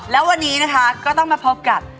แล้ววันนี้นะคะก็ต้องมาพบกับ